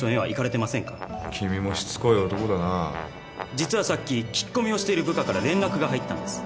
実はさっき聞き込みをしている部下から連絡が入ったんです。